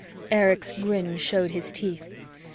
Erich's grin showed his teeth.